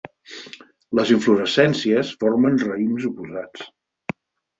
Les inflorescències formen raïms oposats.